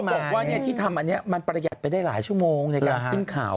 เขาบอกว่าที่ทำอันเนี่ยมันประหยัดไปได้หลายชั่วโมงอยากขึ้นเขา